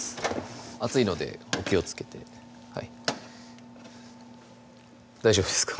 熱いのでお気をつけて大丈夫ですか？